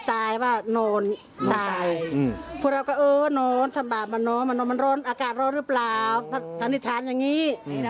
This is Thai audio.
อากาศร้อนรึเปล่าประสานิทรรรณ์อย่างนี้